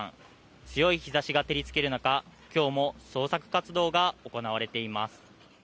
強い日ざしが照りつける中、きょうも捜索活動が行われています。